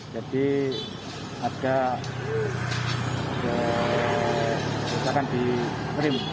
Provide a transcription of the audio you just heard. jadi ada bisa kan di rem